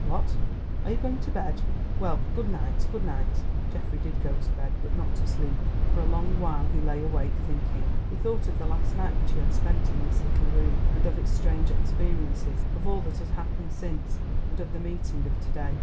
What, are you going to bed? Well, good night—good night." Geoffrey did go to bed, but not to sleep. For a long while he lay awake, thinking. He thought of the last night which he had spent in this little room, of its strange experiences, of all that had happened since, and of the meeting of to day.